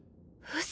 嘘。